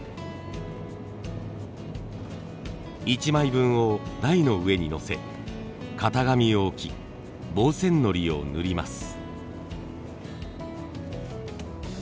１枚分を台の上に載せ型紙を置き防染のりを塗ります。